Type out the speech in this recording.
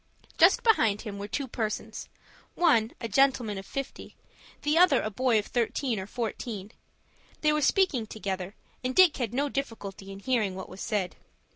Just behind him were two persons,—one, a gentleman of fifty; the other, a boy of thirteen or fourteen. They were speaking together, and Dick had no difficulty in hearing what was said.